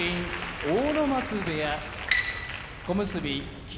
阿武松部屋小結・霧